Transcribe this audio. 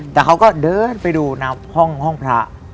แต่เขาก็เดินไปดูห้องพระ